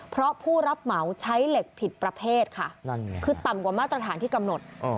เพราะผู้รับเหมาใช้เหล็กผิดประเภทค่ะนั่นไงคือต่ำกว่ามาตรฐานที่กำหนด